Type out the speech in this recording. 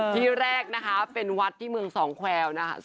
ที่แรกนะคะเป็นวัดที่เมืองสองแควร์นะคะ